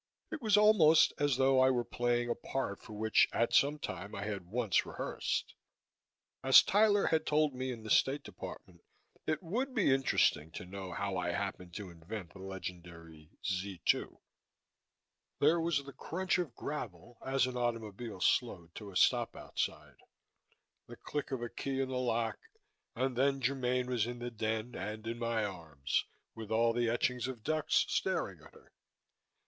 It was almost as though I were playing a part for which at some time I had once rehearsed. As Tyler had told me in the State Department, it would be interesting to know how I happened to invent the legendary "Z 2." There was the crunch of gravel as an automobile slowed to a stop outside, the click of a key in the lock and then Germaine was in the den and in my arms, with all the etchings of ducks staring at her.